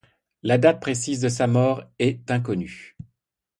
La date précise de sa mort est inconnue.